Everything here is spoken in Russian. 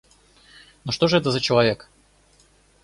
Но что же это за человек?